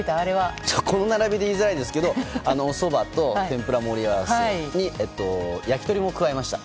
この並びで言いづらいですがおそばと天ぷらの盛り合わせに焼き鳥も加えました。